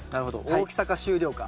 大きさか収量か。